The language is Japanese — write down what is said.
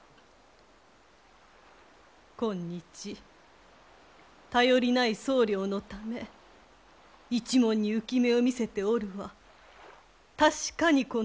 今日頼りない総領のため一門に憂き目を見せておるは確かにこの二位の罪。